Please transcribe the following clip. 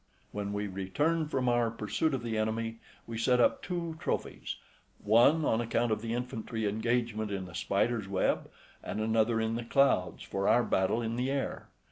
When we returned from our pursuit of the enemy we set up two trophies; one, on account of the infantry engagement in the spider's web, and another in the clouds, for our battle in the air.